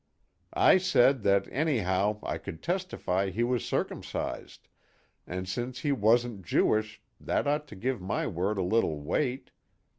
I said that anyhow I could testify he was circumcised, and since he wasn't Jewish that ought to give my word a little weight.